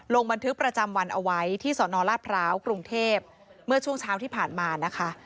ลงบันทึกประจำวันเอาไว้ที่สนราชพร้าวกรุงเทพเมื่อช่วงเช้าที่ผ่านมานะคะ